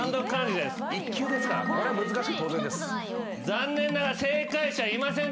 残念ながら正解者いませんでした。